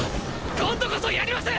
今度こそやります！